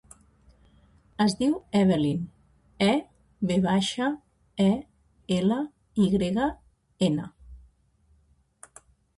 Es diu Evelyn: e, ve baixa, e, ela, i grega, ena.